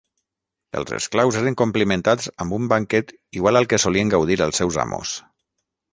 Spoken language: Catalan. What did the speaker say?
Els esclaus eren complimentats amb un banquet igual al que solien gaudir els seus amos.